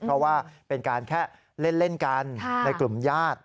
เพราะว่าเป็นการแค่เล่นกันในกลุ่มญาติ